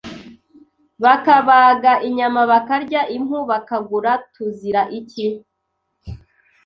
Bakabaga inyama bakarya impu bakagura Tuzira iki